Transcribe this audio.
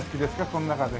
この中で。